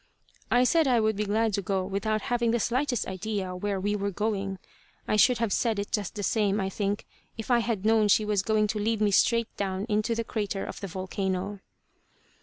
I said I would be glad to go, without having the slightest idea where we were going. I should have said it just the same, I think, if I had known she was going to lead me straight down into the crater of the volcano.